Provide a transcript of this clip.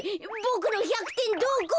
ボクの１００てんどこ？